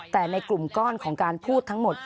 แต่ในกลุ่มก้อนของการพูดทั้งหมด